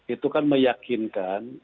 itu kan meyakinkan